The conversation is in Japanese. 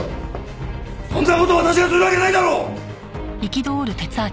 そんな事私がするわけないだろう！